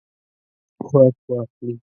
واک واخلي.